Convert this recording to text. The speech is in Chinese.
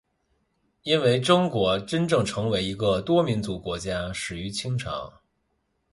因为中国真正成为一个多民族国家始于清朝。